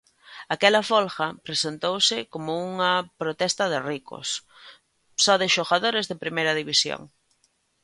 Aquela folga presentouse como unha protesta de ricos, só de xogadores de Primeira División.